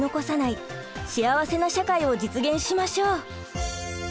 幸せな社会を実現しましょう！